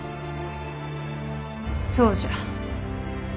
そうじゃ。